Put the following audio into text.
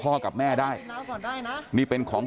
เพื่อนบ้านเจ้าหน้าที่อำรวจกู้ภัย